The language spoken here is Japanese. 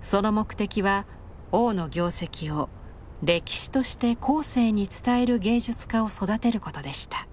その目的は王の業績を歴史として後世に伝える芸術家を育てることでした。